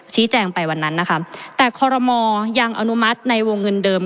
ชี้แจงไปวันนั้นนะคะแต่คอรมอยังอนุมัติในวงเงินเดิม